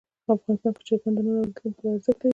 افغانستان کې چرګان د نن او راتلونکي لپاره ارزښت لري.